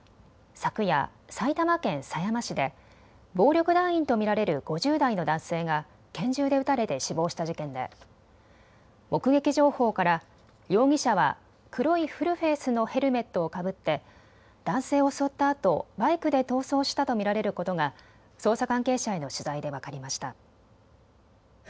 昨夜、埼玉県狭山市で暴力団員と見られる５０代の男性が拳銃で撃たれて死亡した事件で目撃情報から容疑者は黒いフルフェースのヘルメットをかぶって、男性を襲ったあとバイクで逃走したと見られることが捜査関係者への取材で分かりました。